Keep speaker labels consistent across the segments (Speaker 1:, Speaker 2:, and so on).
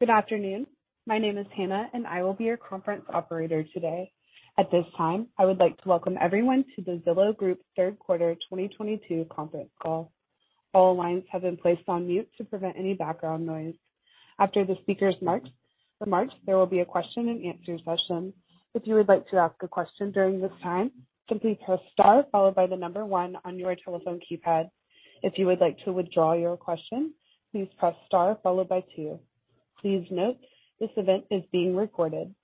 Speaker 1: Good afternoon. My name is Hannah, and I will be your conference operator today. At this time, I would like to welcome everyone to the Zillow Group Third Quarter 2022 Conference Call. All lines have been placed on mute to prevent any background noise. After the speakers remarks, there will be a question-and-answer session. If you would like to ask a question during this time, simply press star followed by the number one on your telephone keypad. If you would like to withdraw your question, please press star followed by two. Please note, this event is being recorded.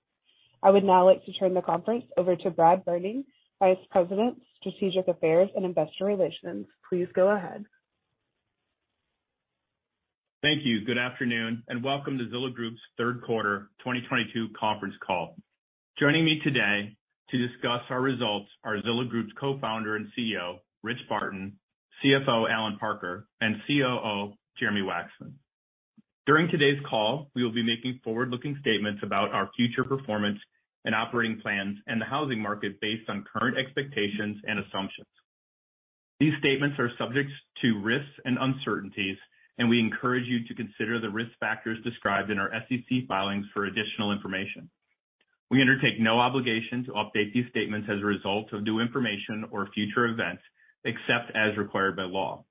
Speaker 1: I would now like to turn the conference over to Brad Berning, Vice President, Strategic Affairs and Investor Relations. Please go ahead.
Speaker 2: Thank you. Good afternoon, and welcome to Zillow Group's Third Quarter 2022 Conference Call. Joining me today to discuss our results are Zillow Group's Co-founder and CEO, Rich Barton, CFO, Allen Parker, and COO, Jeremy Wacksman. During today's call, we will be making forward-looking statements about our future performance and operating plans and the housing market based on current expectations and assumptions. These statements are subject to risks and uncertainties, and we encourage you to consider the risk factors described in our SEC filings for additional information. We undertake no obligation to update these statements as a result of new information or future events, except as required by law.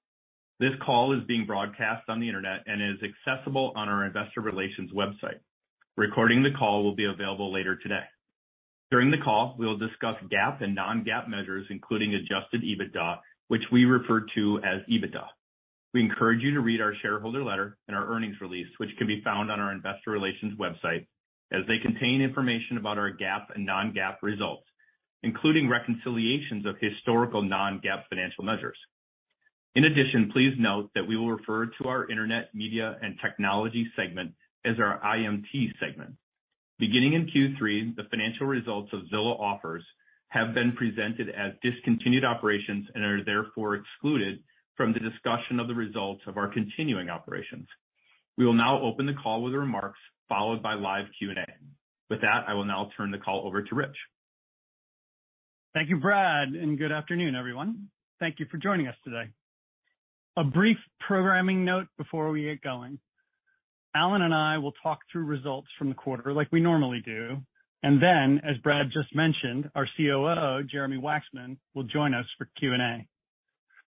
Speaker 2: This call is being broadcast on the Internet and is accessible on our investor relations website. A recording of the call will be available later today. During the call, we will discuss GAAP and non-GAAP measures, including adjusted EBITDA, which we refer to as EBITDA. We encourage you to read our shareholder letter and our earnings release, which can be found on our investor relations website, as they contain information about our GAAP and non-GAAP results, including reconciliations of historical non-GAAP financial measures. In addition, please note that we will refer to our Internet, media, and technology segment as our IMT segment. Beginning in Q3, the financial results of Zillow Offers have been presented as discontinued operations and are therefore excluded from the discussion of the results of our continuing operations. We will now open the call with remarks followed by live Q&A. With that, I will now turn the call over to Rich.
Speaker 3: Thank you, Brad, and good afternoon, everyone. Thank you for joining us today. A brief programming note before we get going. Allen and I will talk through results from the quarter like we normally do, and then, as Brad just mentioned, our COO, Jeremy Wacksman, will join us for Q&A.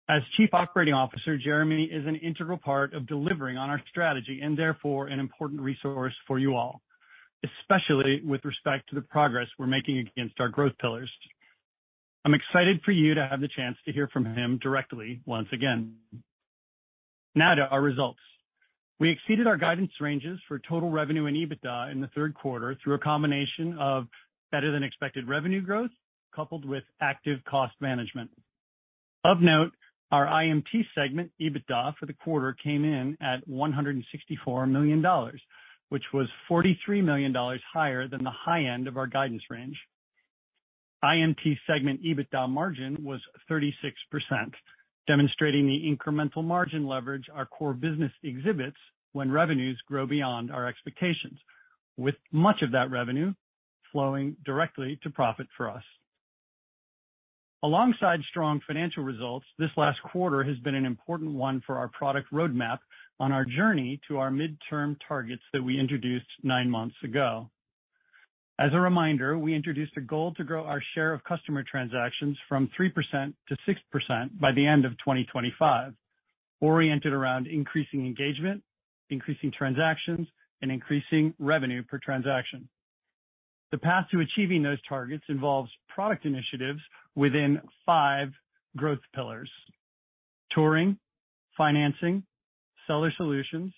Speaker 3: As Chief Operating Officer, Jeremy is an integral part of delivering on our strategy and therefore an important resource for you all, especially with respect to the progress we're making against our growth pillars. I'm excited for you to have the chance to hear from him directly once again. Now to our results. We exceeded our guidance ranges for total revenue and EBITDA in the third quarter through a combination of better-than-expected revenue growth coupled with active cost management. Of note, our IMT segment EBITDA for the quarter came in at $164 million, which was $43 million higher than the high end of our guidance range. IMT segment EBITDA margin was 36%, demonstrating the incremental margin leverage our core business exhibits when revenues grow beyond our expectations, with much of that revenue flowing directly to profit for us. Alongside strong financial results, this last quarter has been an important one for our product roadmap on our journey to our midterm targets that we introduced nine months ago. As a reminder, we introduced a goal to grow our share of customer transactions from 3% to 6% by the end of 2025, oriented around increasing engagement, increasing transactions, and increasing revenue per transaction. The path to achieving those targets involves product initiatives within five growth pillars, touring, financing, seller solutions,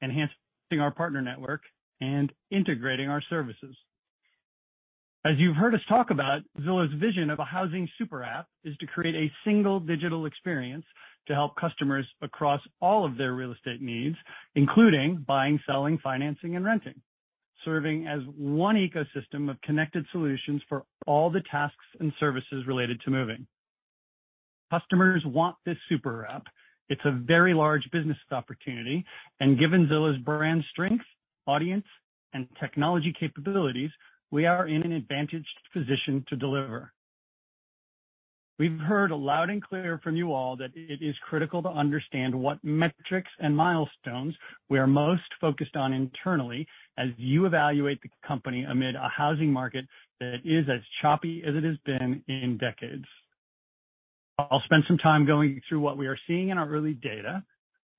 Speaker 3: enhancing our partner network, and integrating our services. As you've heard us talk about, Zillow's vision of a housing super app is to create a single digital experience to help customers across all of their real estate needs, including buying, selling, financing, and renting, serving as one ecosystem of connected solutions for all the tasks and services related to moving. Customers want this super app. It's a very large business opportunity, and given Zillow's brand strength, audience, and technology capabilities, we are in an advantaged position to deliver. We've heard loud and clear from you all that it is critical to understand what metrics and milestones we are most focused on internally as you evaluate the company amid a housing market that is as choppy as it has been in decades. I'll spend some time going through what we are seeing in our early data,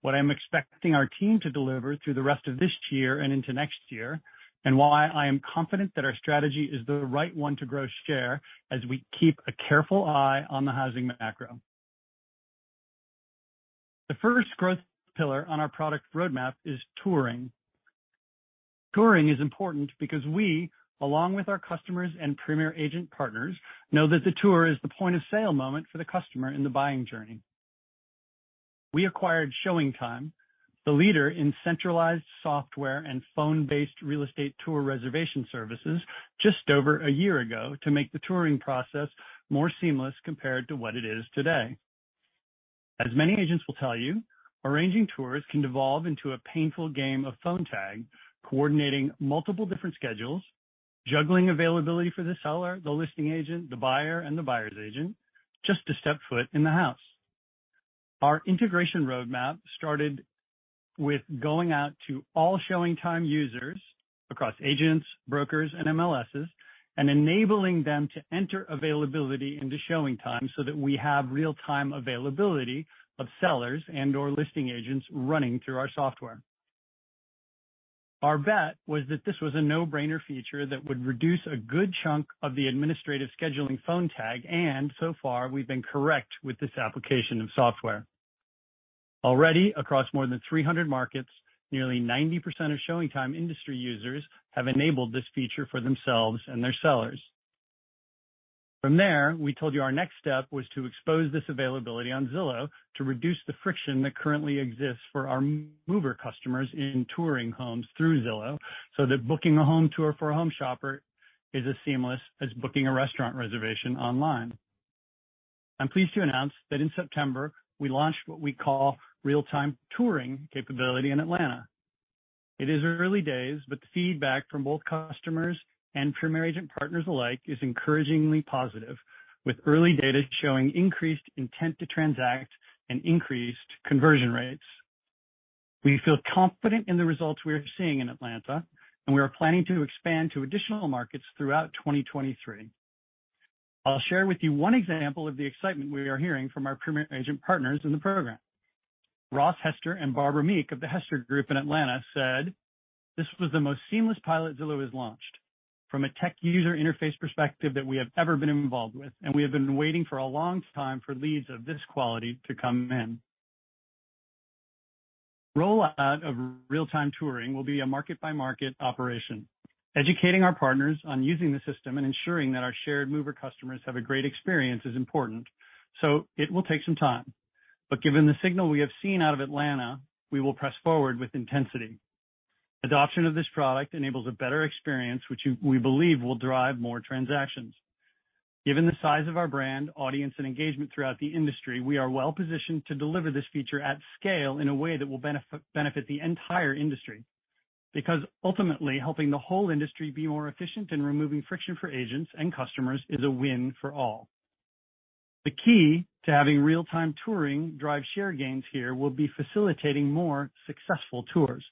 Speaker 3: what I'm expecting our team to deliver through the rest of this year and into next year, and why I am confident that our strategy is the right one to grow share as we keep a careful eye on the housing macro. The first growth pillar on our product roadmap is touring. Touring is important because we, along with our customers and Premier Agent partners, know that the tour is the point-of-sale moment for the customer in the buying journey. We acquired ShowingTime, the leader in centralized software and phone-based real estate tour reservation services, just over a year ago to make the touring process more seamless compared to what it is today. As many agents will tell you, arranging tours can devolve into a painful game of phone tag, coordinating multiple different schedules. Juggling availability for the seller, the listing agent, the buyer, and the buyer's agent just to step foot in the house. Our integration roadmap started with going out to all ShowingTime users across agents, brokers, and MLSs and enabling them to enter availability into ShowingTime so that we have real-time availability of sellers and/or listing agents running through our software. Our bet was that this was a no-brainer feature that would reduce a good chunk of the administrative scheduling phone tag, and so far, we've been correct with this application of software. Already across more than 300 markets, nearly 90% of ShowingTime industry users have enabled this feature for themselves and their sellers. From there, we told you our next step was to expose this availability on Zillow to reduce the friction that currently exists for our mover customers in touring homes through Zillow, so that booking a home tour for a home shopper is as seamless as booking a restaurant reservation online. I'm pleased to announce that in September, we launched what we call Real-Time Touring capability in Atlanta. It is early days, but the feedback from both customers and Premier Agent partners alike is encouragingly positive, with early data showing increased intent to transact and increased conversion rates. We feel confident in the results we are seeing in Atlanta, and we are planning to expand to additional markets throughout 2023. I'll share with you one example of the excitement we are hearing from our Premier Agent partners in the program. Ross Hester and Barbara Meek of The Hester Group in Atlanta said, "This was the most seamless pilot Zillow has launched from a tech user interface perspective that we have ever been involved with, and we have been waiting for a long time for leads of this quality to come in." Rollout of Real-Time Touring will be a market-by-market operation. Educating our partners on using the system and ensuring that our shared mover customers have a great experience is important, so it will take some time. Given the signal we have seen out of Atlanta, we will press forward with intensity. Adoption of this product enables a better experience, which we believe will drive more transactions. Given the size of our brand, audience, and engagement throughout the industry, we are well-positioned to deliver this feature at scale in a way that will benefit the entire industry. Because ultimately, helping the whole industry be more efficient in removing friction for agents and customers is a win for all. The key to having Real-Time Touring drive share gains here will be facilitating more successful tours.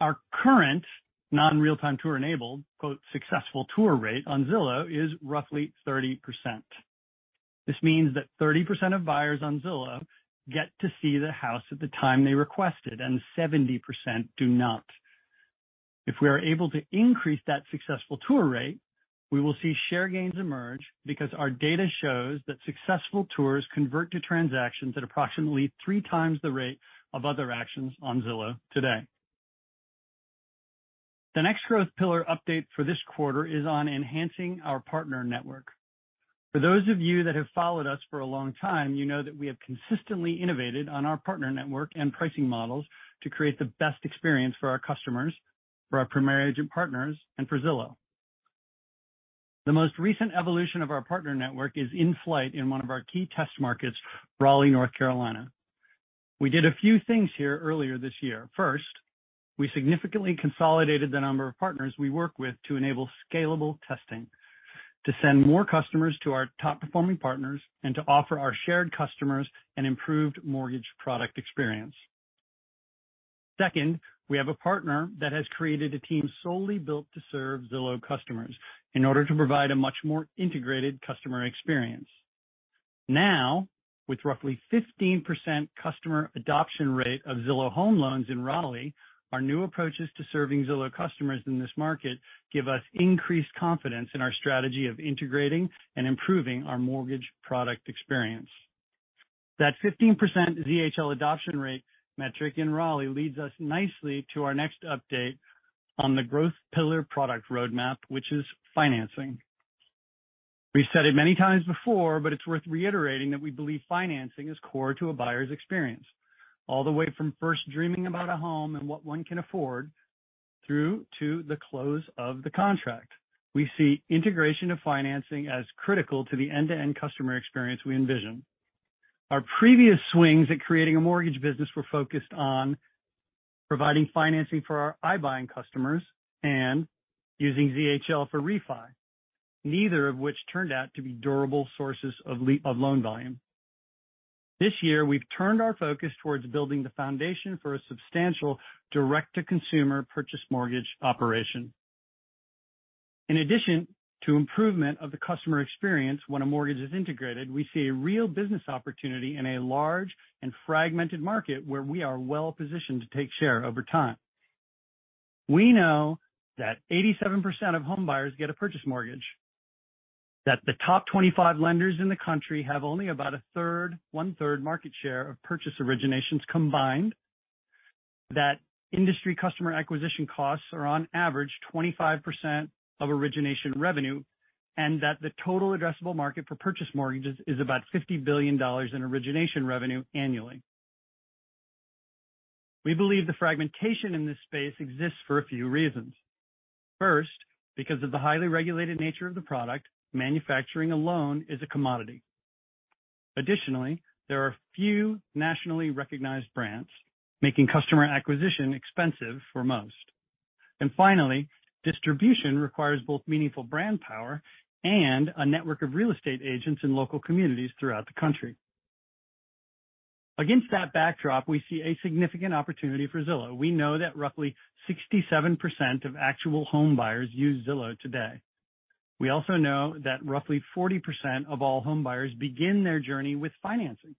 Speaker 3: Our current non-real-time tour-enabled "successful tour rate" on Zillow is roughly 30%. This means that 30% of buyers on Zillow get to see the house at the time they requested, and 70% do not. If we are able to increase that successful tour rate, we will see share gains emerge because our data shows that successful tours convert to transactions at approximately 3 times the rate of other actions on Zillow today. The next growth pillar update for this quarter is on enhancing our partner network. For those of you that have followed us for a long time, you know that we have consistently innovated on our partner network and pricing models to create the best experience for our customers, for our Premier Agent partners, and for Zillow. The most recent evolution of our partner network is in flight in one of our key test markets, Raleigh, North Carolina. We did a few things here earlier this year. First, we significantly consolidated the number of partners we work with to enable scalable testing, to send more customers to our top-performing partners, and to offer our shared customers an improved mortgage product experience. Second, we have a partner that has created a team solely built to serve Zillow customers in order to provide a much more integrated customer experience. Now, with roughly 15% customer adoption rate of Zillow Home Loans in Raleigh, our new approaches to serving Zillow customers in this market give us increased confidence in our strategy of integrating and improving our mortgage product experience. That 15% ZHL adoption rate metric in Raleigh leads us nicely to our next update on the growth pillar product roadmap, which is financing. We've said it many times before, but it's worth reiterating that we believe financing is core to a buyer's experience, all the way from first dreaming about a home and what one can afford through to the close of the contract. We see integration of financing as critical to the end-to-end customer experience we envision. Our previous swings at creating a mortgage business were focused on providing financing for our iBuying customers and using ZHL for refi, neither of which turned out to be durable sources of loan volume. This year, we've turned our focus towards building the foundation for a substantial direct-to-consumer purchase mortgage operation. In addition to improvement of the customer experience when a mortgage is integrated, we see a real business opportunity in a large and fragmented market where we are well-positioned to take share over time. We know that 87% of home buyers get a purchase mortgage, that the top 25 lenders in the country have only about one-third market share of purchase originations combined, that industry customer acquisition costs are on average 25% of origination revenue, and that the total addressable market for purchase mortgages is about $50 billion in origination revenue annually. We believe the fragmentation in this space exists for a few reasons. First, because of the highly regulated nature of the product, manufacturing a loan is a commodity. Additionally, there are few nationally recognized brands making customer acquisition expensive for most. Finally, distribution requires both meaningful brand power and a network of real estate agents in local communities throughout the country. Against that backdrop, we see a significant opportunity for Zillow. We know that roughly 67% of actual home buyers use Zillow today. We also know that roughly 40% of all home buyers begin their journey with financing.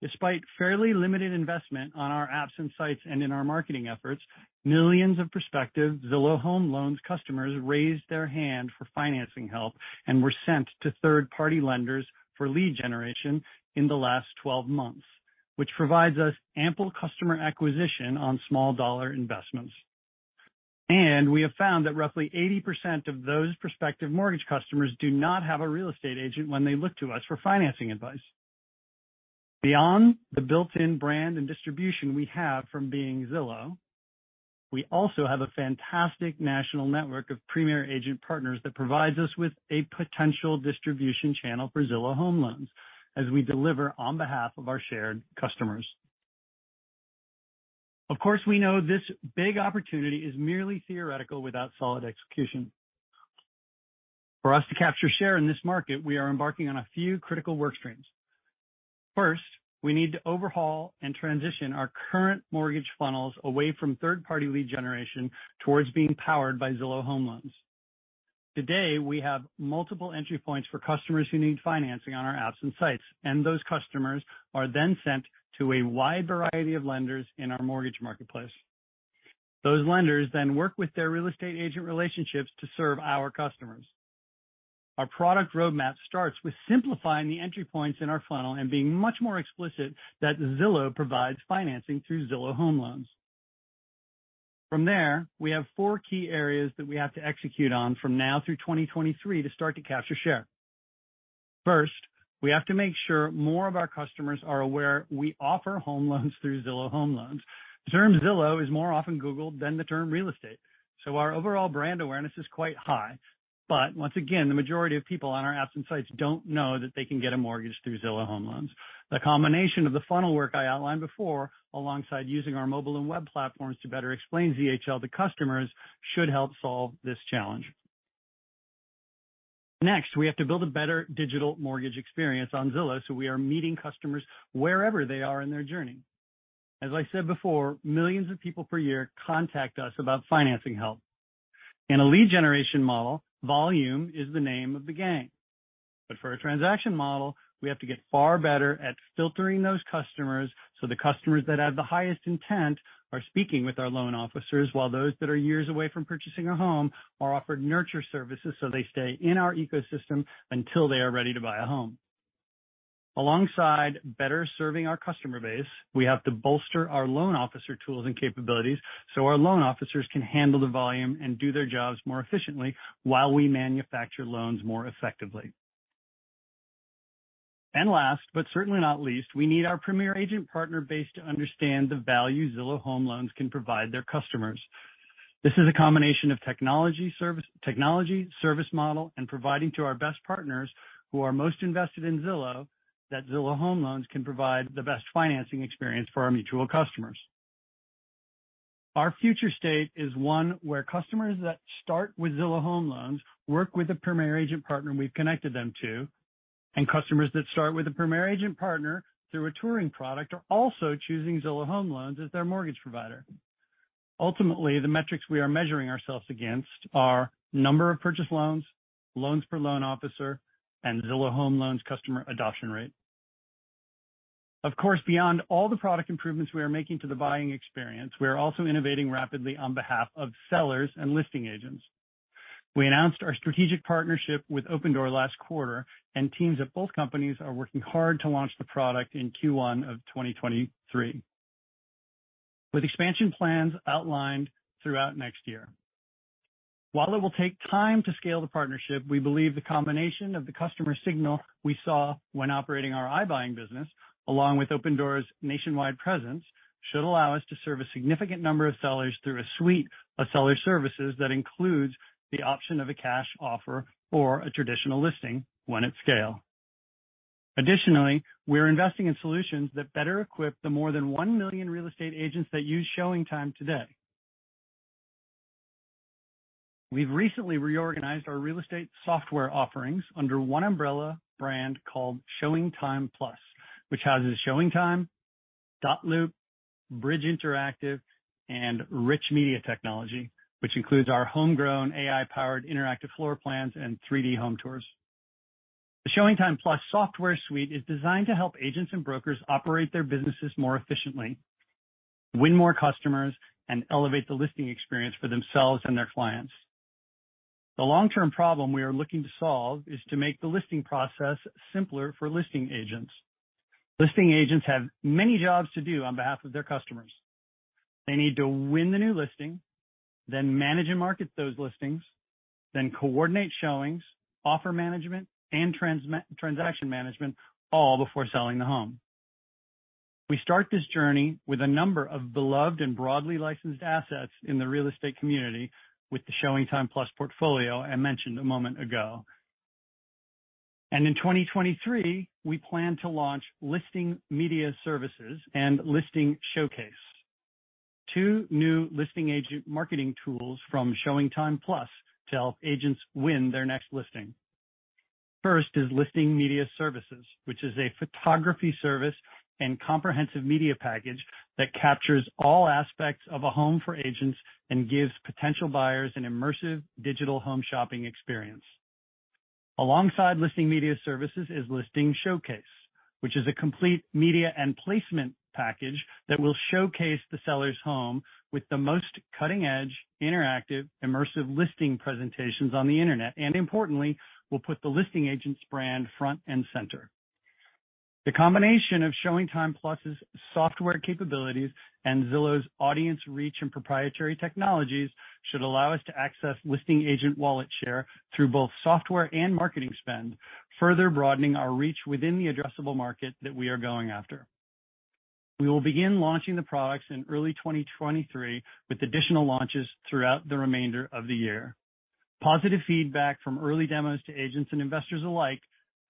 Speaker 3: Despite fairly limited investment on our apps and sites and in our marketing efforts, millions of prospective Zillow Home Loans customers raised their hand for financing help and were sent to third-party lenders for lead generation in the last 12 months, which provides us ample customer acquisition on small dollar investments. We have found that roughly 80% of those prospective mortgage customers do not have a real estate agent when they look to us for financing advice. Beyond the built-in brand and distribution we have from being Zillow, we also have a fantastic national network of Premier Agent partners that provides us with a potential distribution channel for Zillow Home Loans as we deliver on behalf of our shared customers. Of course, we know this big opportunity is merely theoretical without solid execution. For us to capture share in this market, we are embarking on a few critical work streams. First, we need to overhaul and transition our current mortgage funnels away from third-party lead generation towards being powered by Zillow Home Loans. Today, we have multiple entry points for customers who need financing on our apps and sites, and those customers are then sent to a wide variety of lenders in our mortgage marketplace. Those lenders then work with their real estate agent relationships to serve our customers. Our product roadmap starts with simplifying the entry points in our funnel and being much more explicit that Zillow provides financing through Zillow Home Loans. From there, we have four key areas that we have to execute on from now through 2023 to start to capture share. First, we have to make sure more of our customers are aware we offer home loans through Zillow Home Loans. The term Zillow is more often googled than the term real estate, so our overall brand awareness is quite high. Once again, the majority of people on our apps and sites don't know that they can get a mortgage through Zillow Home Loans. The combination of the funnel work I outlined before, alongside using our mobile and web platforms to better explain ZHL to customers should help solve this challenge. Next, we have to build a better digital mortgage experience on Zillow, so we are meeting customers wherever they are in their journey. As I said before, millions of people per year contact us about financing help. In a lead generation model, volume is the name of the game. For a transaction model, we have to get far better at filtering those customers, so the customers that have the highest intent are speaking with our loan officers, while those that are years away from purchasing a home are offered nurture services, so they stay in our ecosystem until they are ready to buy a home. Alongside better serving our customer base, we have to bolster our loan officer tools and capabilities, so our loan officers can handle the volume and do their jobs more efficiently while we manufacture loans more effectively. Last, but certainly not least, we need our Premier Agent partner base to understand the value Zillow Home Loans can provide their customers. This is a combination of technology service, technology service model, and providing to our best partners who are most invested in Zillow that Zillow Home Loans can provide the best financing experience for our mutual customers. Our future state is one where customers that start with Zillow Home Loans work with a Premier Agent partner we've connected them to, and customers that start with a Premier Agent partner through a touring product are also choosing Zillow Home Loans as their mortgage provider. Ultimately, the metrics we are measuring ourselves against are number of purchase loans per loan officer, and Zillow Home Loans customer adoption rate. Of course, beyond all the product improvements we are making to the buying experience, we are also innovating rapidly on behalf of sellers and listing agents. We announced our strategic partnership with Opendoor last quarter, and teams at both companies are working hard to launch the product in Q1 of 2023, with expansion plans outlined throughout next year. While it will take time to scale the partnership, we believe the combination of the customer signal we saw when operating our iBuying business, along with Opendoor's nationwide presence, should allow us to serve a significant number of sellers through a suite of seller services that includes the option of a cash offer or a traditional listing when at scale. Additionally, we're investing in solutions that better equip the more than one million real estate agents that use ShowingTime today. We've recently reorganized our real estate software offerings under one umbrella brand called ShowingTime+, which houses ShowingTime, dotloop, Bridge Interactive, and Rich Media Technology, which includes our homegrown AI-powered interactive floor plans and 3D home tours. The ShowingTime+ software suite is designed to help agents and brokers operate their businesses more efficiently, win more customers, and elevate the listing experience for themselves and their clients. The long-term problem we are looking to solve is to make the listing process simpler for listing agents. Listing agents have many jobs to do on behalf of their customers. They need to win the new listing, then manage and market those listings, then coordinate showings, offer management, and transaction management, all before selling the home. We start this journey with a number of beloved and broadly licensed assets in the real estate community with the ShowingTime+ portfolio I mentioned a moment ago. In 2023, we plan to launch Listing Media Services and Listing Showcase, two new listing agent marketing tools from ShowingTime+ to help agents win their next listing. First is Listing Media Services, which is a photography service and comprehensive media package that captures all aspects of a home for agents and gives potential buyers an immersive digital home shopping experience. Alongside Listing Media Services is Listing Showcase, which is a complete media and placement package that will showcase the seller's home with the most cutting-edge, interactive, immersive listing presentations on the internet, and importantly, will put the listing agent's brand front and center. The combination of ShowingTime+'s software capabilities and Zillow's audience reach and proprietary technologies should allow us to access listing agent wallet share through both software and marketing spend, further broadening our reach within the addressable market that we are going after. We will begin launching the products in early 2023, with additional launches throughout the remainder of the year. Positive feedback from early demos to agents and investors alike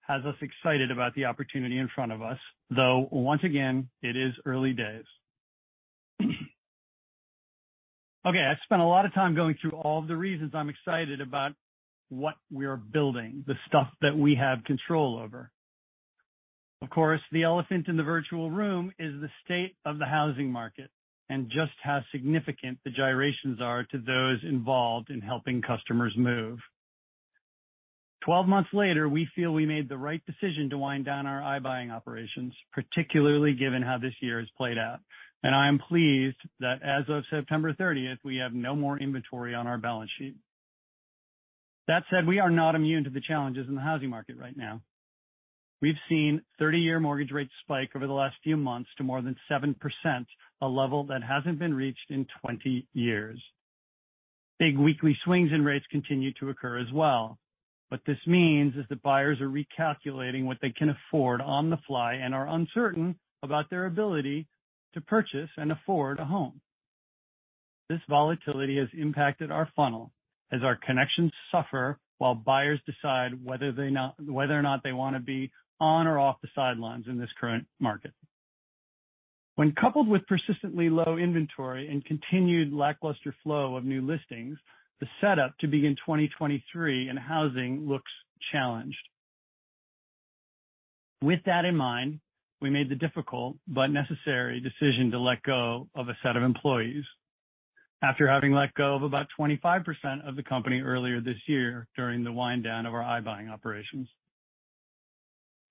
Speaker 3: has us excited about the opportunity in front of us, though once again, it is early days. Okay, I've spent a lot of time going through all of the reasons I'm excited about what we are building, the stuff that we have control over. Of course, the elephant in the virtual room is the state of the housing market and just how significant the gyrations are to those involved in helping customers move. 12 months later, we feel we made the right decision to wind down our iBuying operations, particularly given how this year has played out. I am pleased that as of September 30th, we have no more inventory on our balance sheet. That said, we are not immune to the challenges in the housing market right now. We've seen 30-year mortgage rates spike over the last few months to more than 7%, a level that hasn't been reached in 20 years. Big weekly swings in rates continue to occur as well. What this means is that buyers are recalculating what they can afford on the fly and are uncertain about their ability to purchase and afford a home. This volatility has impacted our funnel as our connections suffer while buyers decide whether or not they wanna be on or off the sidelines in this current market. When coupled with persistently low inventory and continued lackluster flow of new listings, the setup to begin 2023 in housing looks challenged. With that in mind, we made the difficult but necessary decision to let go of a set of employees after having let go of about 25% of the company earlier this year during the wind down of our i-buying operations.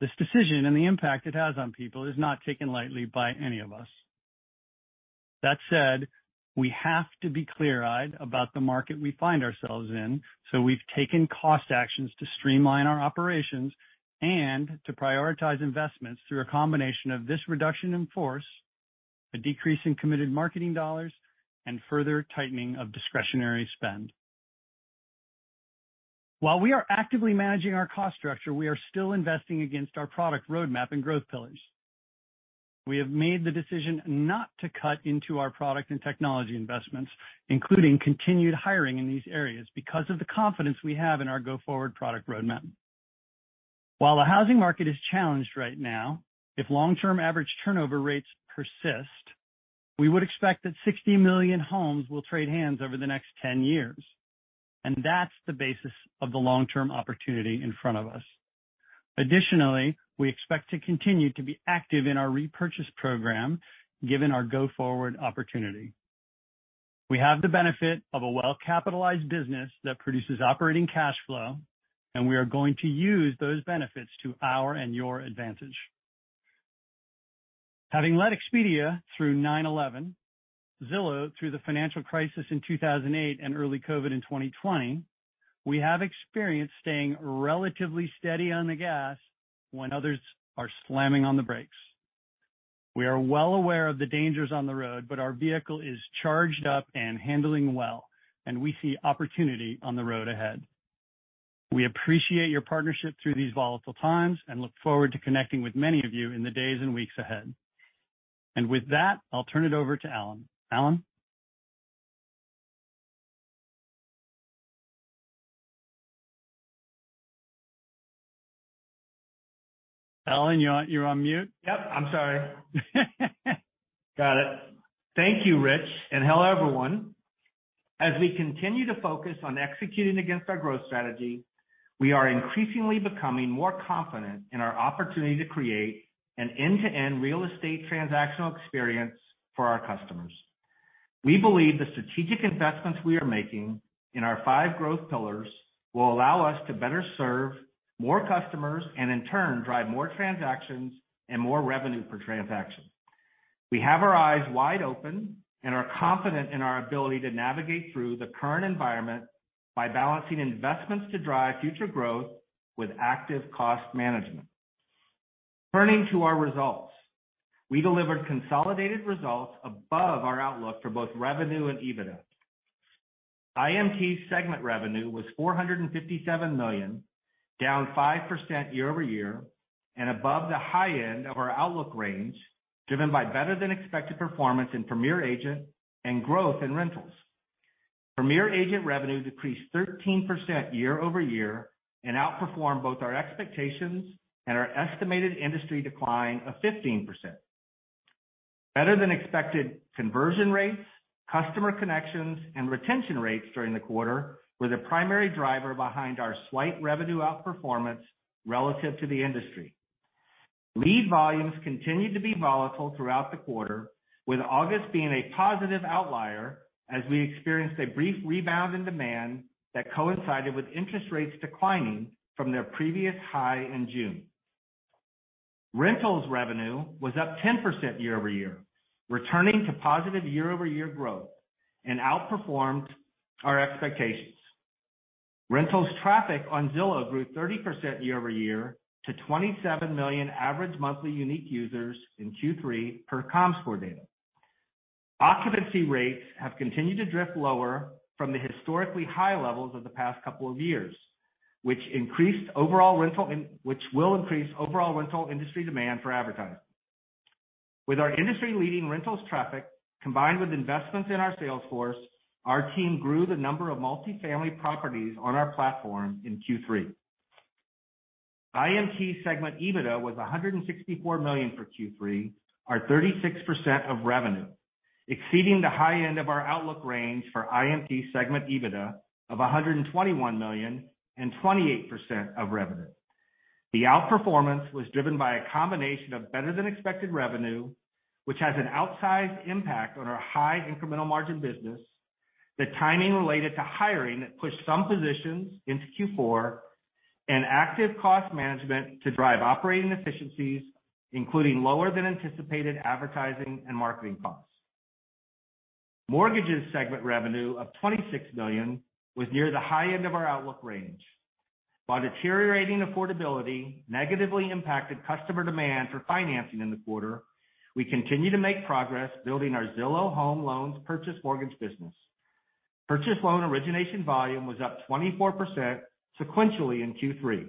Speaker 3: This decision and the impact it has on people is not taken lightly by any of us. That said, we have to be clear-eyed about the market we find ourselves in, so we've taken cost actions to streamline our operations and to prioritize investments through a combination of this reduction in force, a decrease in committed marketing dollars, and further tightening of discretionary spend. While we are actively managing our cost structure, we are still investing against our product roadmap and growth pillars. We have made the decision not to cut into our product and technology investments, including continued hiring in these areas because of the confidence we have in our go-forward product roadmap. While the housing market is challenged right now, if long-term average turnover rates persist, we would expect that 60 million homes will trade hands over the next 10 years, and that's the basis of the long-term opportunity in front of us. Additionally, we expect to continue to be active in our repurchase program, given our go-forward opportunity. We have the benefit of a well-capitalized business that produces operating cash flow, and we are going to use those benefits to our and your advantage. Having led Expedia through 9/11, Zillow through the financial crisis in 2008, and early COVID in 2020, we have experience staying relatively steady on the gas when others are slamming on the brakes. We are well aware of the dangers on the road, but our vehicle is charged up and handling well, and we see opportunity on the road ahead. We appreciate your partnership through these volatile times and look forward to connecting with many of you in the days and weeks ahead. With that, I'll turn it over to Allen. Allen? Allen, you're on, you're on mute.
Speaker 4: Yep. I'm sorry. Got it. Thank you, Rich, and hello, everyone. As we continue to focus on executing against our growth strategy, we are increasingly becoming more confident in our opportunity to create an end-to-end real estate transactional experience for our customers. We believe the strategic investments we are making in our five growth pillars will allow us to better serve more customers and in turn, drive more transactions and more revenue per transaction. We have our eyes wide open and are confident in our ability to navigate through the current environment by balancing investments to drive future growth with active cost management. Turning to our results, we delivered consolidated results above our outlook for both revenue and EBITDA. IMT's segment revenue was $457 million, down 5% year-over-year, and above the high end of our outlook range, driven by better than expected performance in Premier Agent and growth in rentals. Premier Agent revenue decreased 13% year-over-year and outperformed both our expectations and our estimated industry decline of 15%. Better than expected conversion rates, customer connections, and retention rates during the quarter were the primary driver behind our slight revenue outperformance relative to the industry. Lead volumes continued to be volatile throughout the quarter, with August being a positive outlier as we experienced a brief rebound in demand that coincided with interest rates declining from their previous high in June. Rentals revenue was up 10% year-over-year, returning to positive year-over-year growth and outperformed our expectations. Rentals traffic on Zillow grew 30% year-over-year to 27 million average monthly unique users in Q3 per Comscore data. Occupancy rates have continued to drift lower from the historically high levels of the past couple of years, which will increase overall rental industry demand for advertising. With our industry-leading rentals traffic combined with investments in our sales force, our team grew the number of multi-family properties on our platform in Q3. IMT segment EBITDA was $164 million for Q3, or 36% of revenue, exceeding the high end of our outlook range for IMT segment EBITDA of $121 million and 28% of revenue. The outperformance was driven by a combination of better than expected revenue, which has an outsized impact on our high incremental margin business. The timing related to hiring pushed some positions into Q4 and active cost management to drive operating efficiencies, including lower than anticipated advertising and marketing costs. Mortgages segment revenue of $26 million was near the high end of our outlook range. While deteriorating affordability negatively impacted customer demand for financing in the quarter, we continue to make progress building our Zillow Home Loans purchase mortgage business. Purchase loan origination volume was up 24% sequentially in Q3.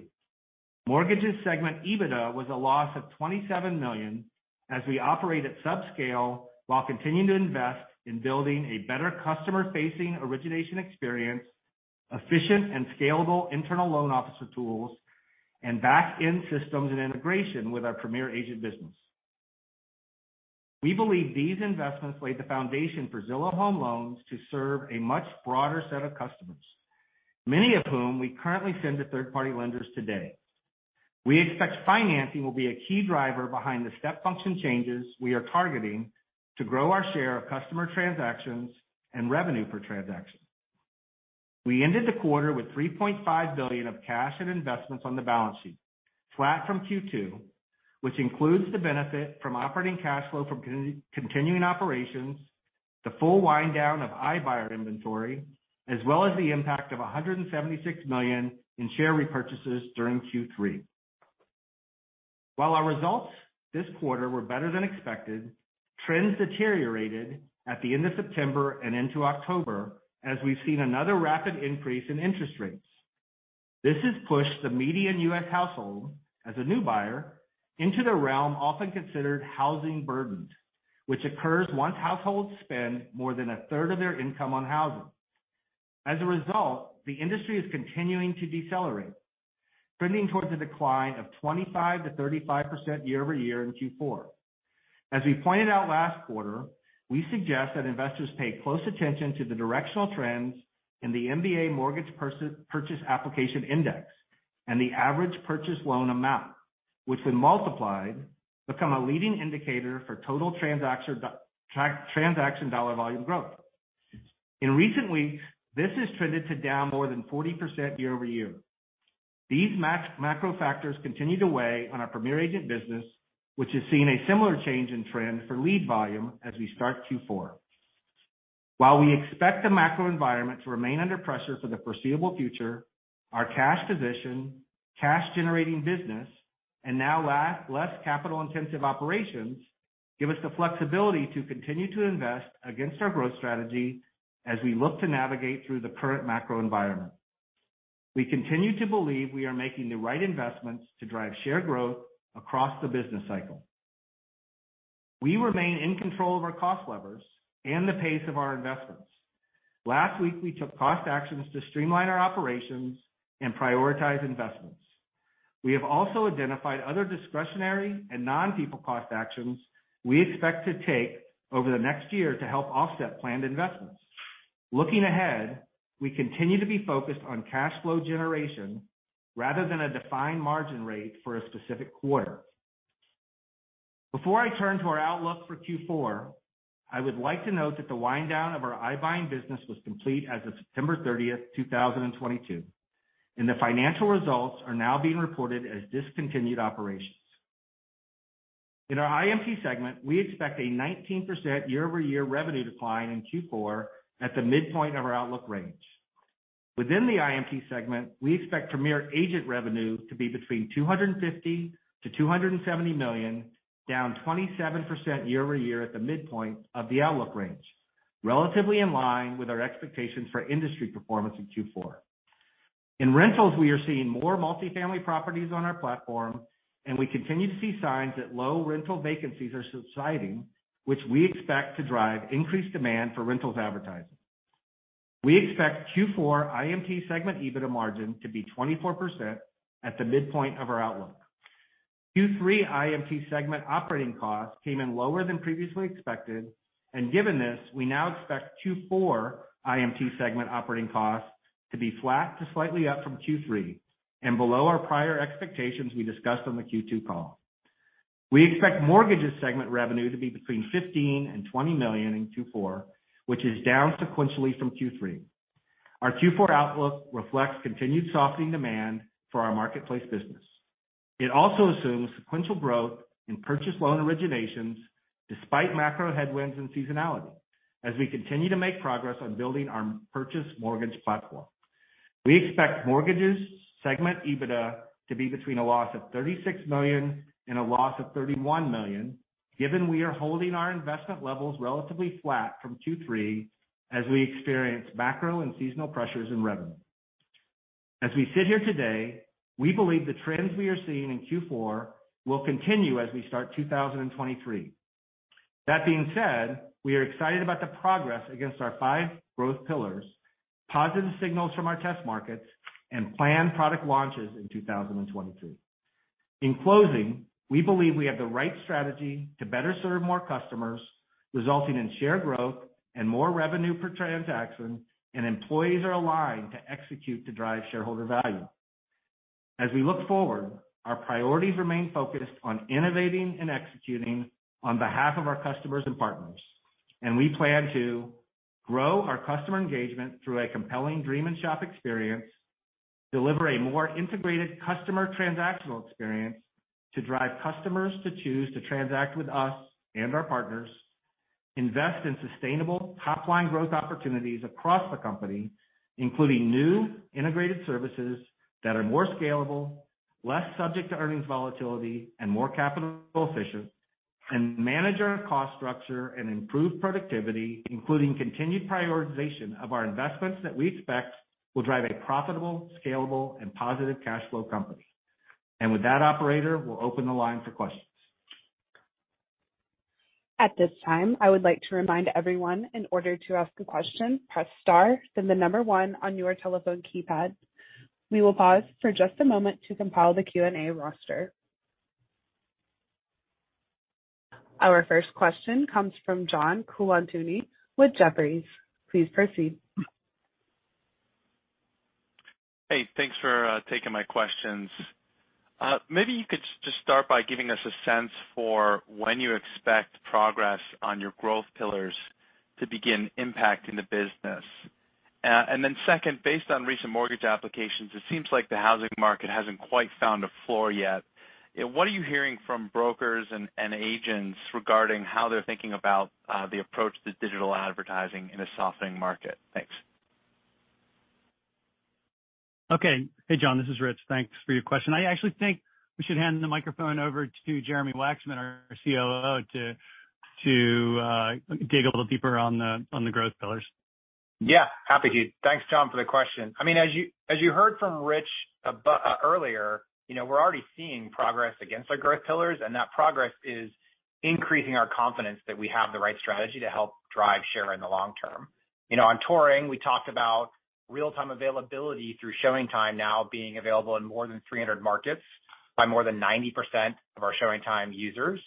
Speaker 4: Mortgages segment EBITDA was a loss of $27 million as we operate at subscale while continuing to invest in building a better customer-facing origination experience, efficient and scalable internal loan officer tools, and back-end systems and integration with our Premier Agent business. We believe these investments lay the foundation for Zillow Home Loans to serve a much broader set of customers, many of whom we currently send to third-party lenders today. We expect financing will be a key driver behind the step function changes we are targeting to grow our share of customer transactions and revenue per transaction. We ended the quarter with $3.5 billion of cash and investments on the balance sheet, flat from Q2, which includes the benefit from operating cash flow from continuing operations, the full wind down of iBuyer inventory, as well as the impact of $176 million in share repurchases during Q3. While our results this quarter were better than expected, trends deteriorated at the end of September and into October, as we've seen another rapid increase in interest rates. This has pushed the median U.S. household as a new buyer into the realm often considered housing burdened, which occurs once households spend more than a third of their income on housing. As a result, the industry is continuing to decelerate, trending towards a decline of 25%-35% year-over-year in Q4. As we pointed out last quarter, we suggest that investors pay close attention to the directional trends in the MBA Mortgage Purchase Application Index and the average purchase loan amount, which when multiplied, become a leading indicator for total transaction dollar volume growth. In recent weeks, this has trended down more than 40% year-over-year. These macro factors continue to weigh on our Premier Agent business, which has seen a similar change in trend for lead volume as we start Q4. While we expect the macro environment to remain under pressure for the foreseeable future, our cash position, cash-generating business, and now less capital-intensive operations give us the flexibility to continue to invest against our growth strategy as we look to navigate through the current macro environment. We continue to believe we are making the right investments to drive share growth across the business cycle. We remain in control of our cost levers and the pace of our investments. Last week, we took cost actions to streamline our operations and prioritize investments. We have also identified other discretionary and non-people cost actions we expect to take over the next year to help offset planned investments. Looking ahead, we continue to be focused on cash flow generation rather than a defined margin rate for a specific quarter. Before I turn to our outlook for Q4, I would like to note that the wind down of our iBuying business was complete as of September 30th, 2022, and the financial results are now being reported as discontinued operations. In our IMT segment, we expect a 19% year-over-year revenue decline in Q4 at the midpoint of our outlook range. Within the IMT segment, we expect Premier Agent revenue to be between $250-$270 million, down 27% year-over-year at the midpoint of the outlook range, relatively in line with our expectations for industry performance in Q4. In rentals, we are seeing more multi-family properties on our platform, and we continue to see signs that low rental vacancies are subsiding, which we expect to drive increased demand for rentals advertising. We expect Q4 IMT segment EBITDA margin to be 24% at the midpoint of our outlook. Q3 IMT segment operating costs came in lower than previously expected, and given this, we now expect Q4 IMT segment operating costs to be flat to slightly up from Q3 and below our prior expectations we discussed on the Q2 call. We expect mortgages segment revenue to be between $15 million and $20 million in Q4, which is down sequentially from Q3. Our Q4 outlook reflects continued softening demand for our marketplace business. It also assumes sequential growth in purchase loan originations despite macro headwinds and seasonality as we continue to make progress on building our purchase mortgage platform. We expect mortgages segment EBITDA to be between a loss of $36 million and a loss of $31 million, given we are holding our investment levels relatively flat from Q3 as we experience macro and seasonal pressures in revenue. As we sit here today, we believe the trends we are seeing in Q4 will continue as we start 2023. That being said, we are excited about the progress against our five growth pillars, positive signals from our test markets and planned product launches in 2023. In closing, we believe we have the right strategy to better serve more customers, resulting in share growth and more revenue per transaction, and employees are aligned to execute to drive shareholder value. As we look forward, our priorities remain focused on innovating and executing on behalf of our customers and partners, and we plan to grow our customer engagement through a compelling dream and shop experience, deliver a more integrated customer transactional experience to drive customers to choose to transact with us and our partners, invest in sustainable top-line growth opportunities across the company, including new integrated services that are more scalable, less subject to earnings volatility and more capital efficient. Manage our cost structure and improve productivity, including continued prioritization of our investments that we expect will drive a profitable, scalable and positive cash flow company. With that, operator, we'll open the line for questions.
Speaker 1: At this time, I would like to remind everyone in order to ask a question, press star, then the number one on your telephone keypad. We will pause for just a moment to compile the Q&A roster. Our first question comes from John Colantuoni with Jefferies. Please proceed.
Speaker 5: Hey, thanks for taking my questions. Maybe you could just start by giving us a sense for when you expect progress on your growth pillars to begin impacting the business. Then second, based on recent mortgage applications, it seems like the housing market hasn't quite found a floor yet. What are you hearing from brokers and agents regarding how they're thinking about the approach to digital advertising in a softening market? Thanks.
Speaker 3: Okay. Hey, John, this is Rich. Thanks for your question. I actually think we should hand the microphone over to Jeremy Wacksman, our COO, to dig a little deeper on the growth pillars.
Speaker 6: Yeah, happy to. Thanks, John, for the question. I mean, as you heard from Rich earlier, you know, we're already seeing progress against our growth pillars, and that progress is increasing our confidence that we have the right strategy to help drive share in the long term. You know, on touring, we talked about real-time availability through ShowingTime now being available in more than 300 markets by more than 90% of our ShowingTime users.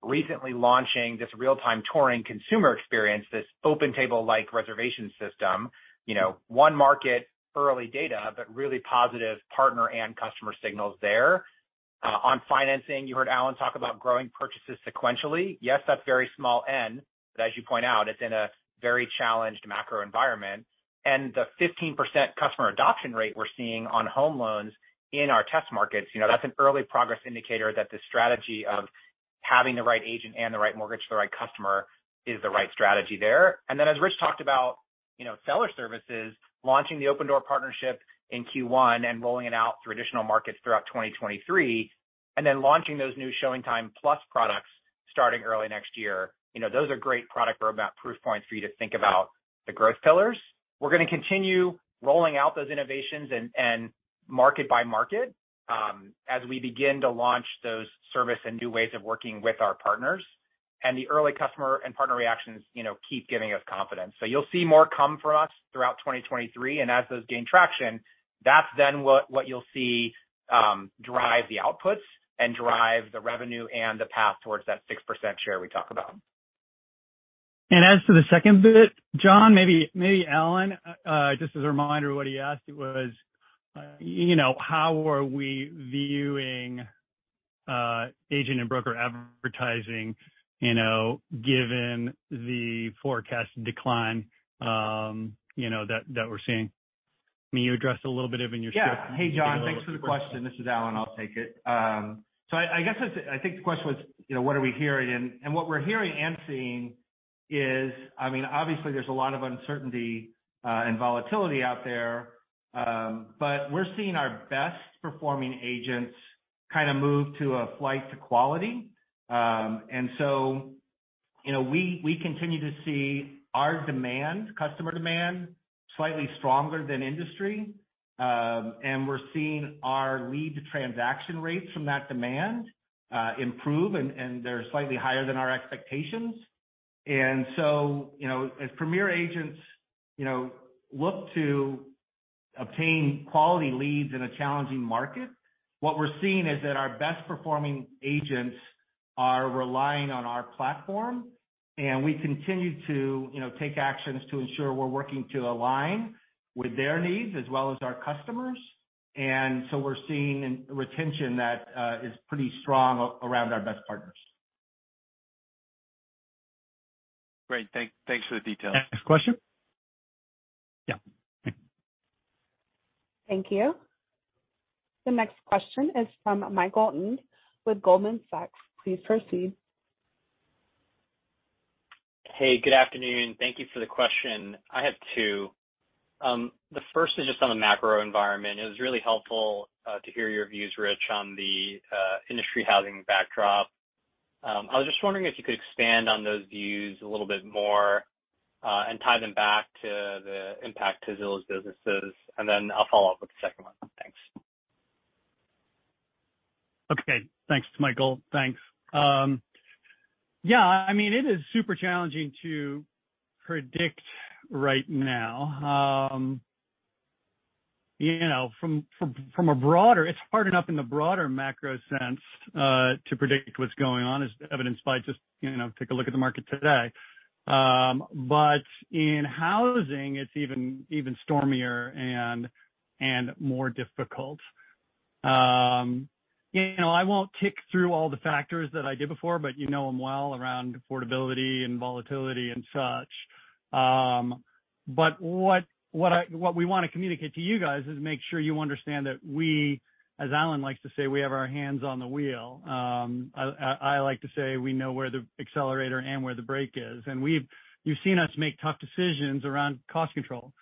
Speaker 6: Recently launching this Real-Time Touring consumer experience, this OpenTable-like reservation system, you know, one market early data, but really positive partner and customer signals there. On financing, you heard Allen talk about growing purchases sequentially. Yes, that's very small N, but as you point out, it's in a very challenged macro environment. The 15% customer adoption rate we're seeing on home loans in our test markets, you know, that's an early progress indicator that the strategy of having the right agent and the right mortgage for the right customer is the right strategy there. Then as Rich talked about, you know, seller services, launching the Opendoor partnership in Q1 and rolling it out through additional markets throughout 2023, and then launching those new ShowingTime+ products starting early next year. You know, those are great product roadmap proof points for you to think about the growth pillars. We're gonna continue rolling out those innovations and market by market, as we begin to launch those service and new ways of working with our partners. The early customer and partner reactions, you know, keep giving us confidence. You'll see more come from us throughout 2023. As those gain traction, that's then what you'll see drive the outputs and drive the revenue and the path towards that 6% share we talk about.
Speaker 3: As to the second bit, John, maybe Allen, just as a reminder what he asked, it was, you know, how are we viewing agent and broker advertising, you know, given the forecast decline, you know that that we're seeing? I mean, you addressed a little bit of it in your script.
Speaker 4: Yeah. Hey, John, thanks for the question. This is Allen. I'll take it. I guess I think the question was, you know, what are we hearing? What we're hearing and seeing is, I mean, obviously there's a lot of uncertainty and volatility out there. We're seeing our best performing agents kind of move to a flight to quality. You know, we continue to see our demand, customer demand slightly stronger than industry. We're seeing our lead to transaction rates from that demand improve, and they're slightly higher than our expectations. You know, as Premier Agents, you know, look to obtain quality leads in a challenging market, what we're seeing is that our best performing agents are relying on our platform, and we continue to, you know, take actions to ensure we're working to align with their needs as well as our customers. We're seeing a retention that is pretty strong around our best partners.
Speaker 5: Great. Thanks for the details.
Speaker 3: Next question. Yeah.
Speaker 1: Thank you. The next question is from Michael Ng with Goldman Sachs. Please proceed.
Speaker 7: Hey, good afternoon. Thank you for the question. I have two. The first is just on the macro environment. It was really helpful to hear your views, Rich, on the industry housing backdrop. I was just wondering if you could expand on those views a little bit more and tie them back to the impact to Zillow's businesses. I'll follow up with the second one. Thanks.
Speaker 3: Okay. Thanks, Michael. Thanks. Yeah, I mean, it is super challenging to predict right now. You know, it's hard enough in the broader macro sense to predict what's going on, as evidenced by just, you know, take a look at the market today. But in housing, it's even stormier and more difficult. You know, I won't tick through all the factors that I did before, but you know them well around affordability and volatility and such. But what we wanna communicate to you guys is make sure you understand that we, as Allen likes to say, we have our hands on the wheel. I like to say we know where the accelerator and where the brake is. You've seen us make tough decisions around cost control.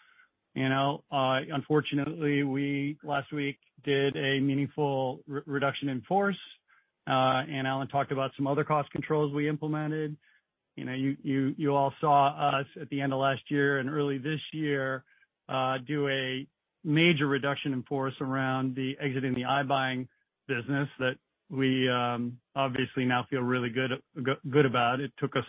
Speaker 3: You know, unfortunately, we last week did a meaningful reduction in force. Allen talked about some other cost controls we implemented. You know, you all saw us at the end of last year and early this year do a major reduction in force around exiting the iBuying business that we obviously now feel really good about. It took us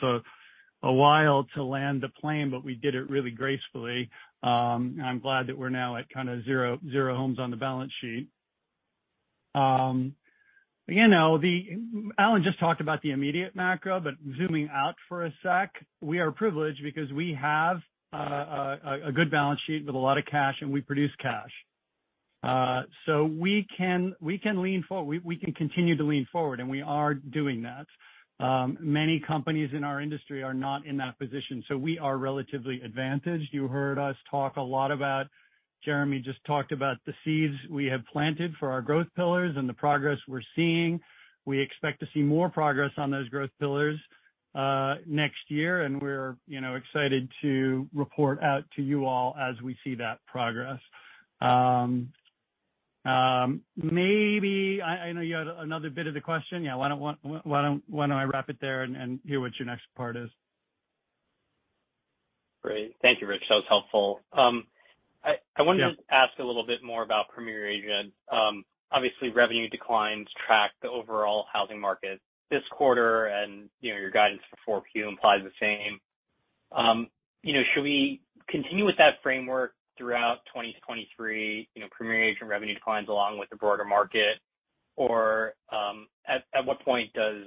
Speaker 3: a while to land the plane, but we did it really gracefully. I'm glad that we're now at kinda zero homes on the balance sheet. You know, Allen just talked about the immediate macro, but zooming out for a sec, we are privileged because we have a good balance sheet with a lot of cash, and we produce cash. We can continue to lean forward, and we are doing that. Many companies in our industry are not in that position, so we are relatively advantaged. You heard us talk a lot about. Jeremy just talked about the seeds we have planted for our growth pillars and the progress we're seeing. We expect to see more progress on those growth pillars next year, and we're, you know, excited to report out to you all as we see that progress. Maybe I know you had another bit of the question. Yeah, why don't I wrap it there and hear what your next part is?
Speaker 7: Great. Thank you, Rich. That was helpful. I wanted to-
Speaker 3: Yeah.
Speaker 7: ...ask a little bit more about Premier Agent. Obviously revenue declines track the overall housing market this quarter, and, you know, your guidance for 4Q implies the same. You know, should we continue with that framework throughout 2023, you know, Premier Agent revenue declines along with the broader market? Or, at what point does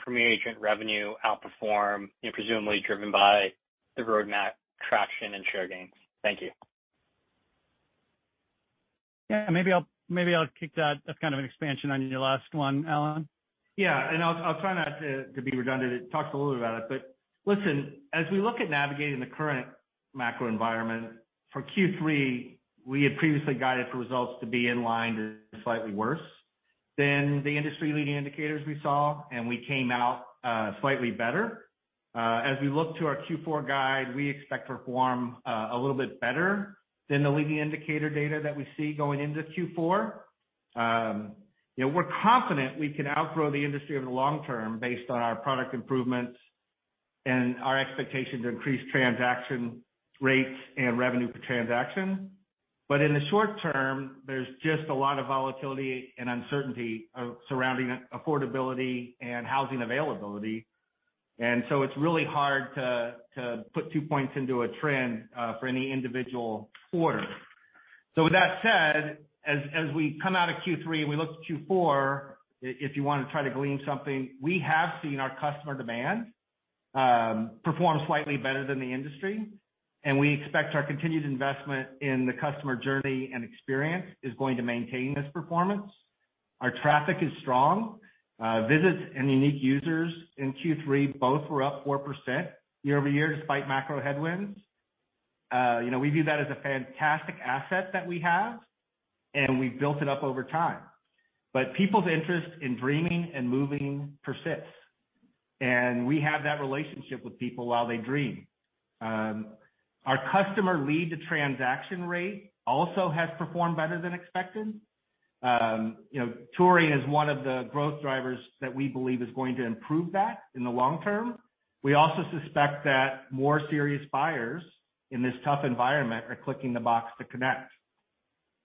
Speaker 7: Premier Agent revenue outperform, you know, presumably driven by the roadmap traction and share gains? Thank you.
Speaker 3: Yeah. Maybe I'll kick that. That's kind of an expansion on your last one, Allen.
Speaker 4: Yeah. I'll try not to be redundant. It talks a little about it. Listen, as we look at navigating the current macro environment, for Q3, we had previously guided for results to be in line or slightly worse than the industry leading indicators we saw, and we came out slightly better. As we look to our Q4 guide, we expect to perform a little bit better than the leading indicator data that we see going into Q4. You know, we're confident we can outgrow the industry over the long term based on our product improvements and our expectation to increase transaction rates and revenue per transaction. In the short term, there's just a lot of volatility and uncertainty surrounding affordability and housing availability. It's really hard to put two points into a trend for any individual quarter. With that said, as we come out of Q3 and we look to Q4, if you wanna try to glean something, we have seen our customer demand perform slightly better than the industry. We expect our continued investment in the customer journey and experience is going to maintain this performance. Our traffic is strong. Visits and unique users in Q3 both were up 4% year-over-year despite macro headwinds. You know, we view that as a fantastic asset that we have, and we've built it up over time. People's interest in dreaming and moving persists, and we have that relationship with people while they dream. Our customer lead to transaction rate also has performed better than expected. You know, touring is one of the growth drivers that we believe is going to improve that in the long term. We also suspect that more serious buyers in this tough environment are clicking the box to connect.